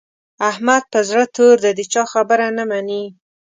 احمد پر زړه تور دی؛ د چا خبره نه مني.